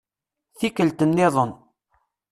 Tikkelt nniḍen.